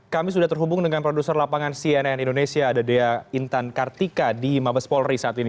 kami sudah terhubung dengan produser lapangan cnn indonesia ada dea intan kartika di mabes polri saat ini